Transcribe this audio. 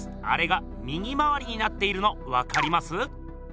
あれが右回りになっているのわかります？